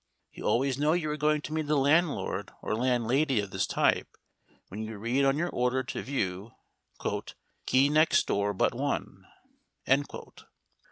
You always know you are going to meet a landlord or landlady of this type when you read on your order to view, "Key next door but one."